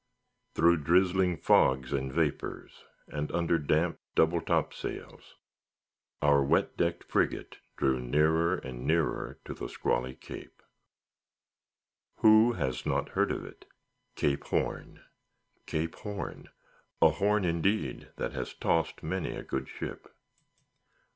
Through drizzling fogs and vapors, and under damp, double topsails, our wet decked frigate drew nearer and nearer to the squally Cape. Who has not heard of it? Cape Horn, Cape Horn—a horn indeed, that has tossed many a good ship.